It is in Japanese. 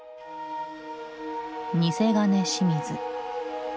「偽金清水」。